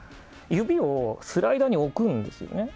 指をスライドに置くんですよね。